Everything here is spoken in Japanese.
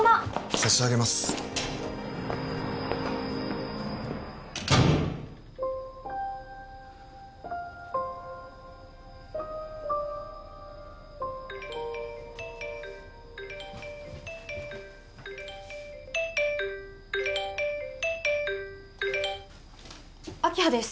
差し上げます明葉です